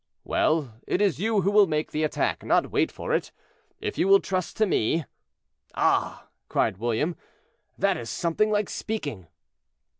"Well, it is you who will make the attack, not wait for it, if you will trust to me."—"Ah!" cried William, "that is something like speaking."